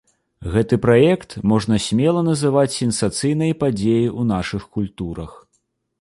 Гэты праект можна смела называць сенсацыйнай падзеяй у нашых культурах.